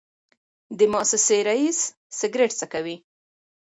د موسسې رییس سګرټ څکوي.